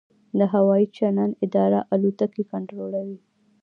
د هوايي چلند اداره الوتکې کنټرولوي؟